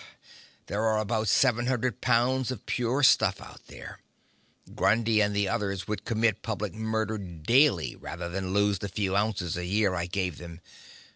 There are about seven hundred pounds of pure stuff out there. Grundy and the others would commit public murder daily rather than lose the few ounces a year I gave them.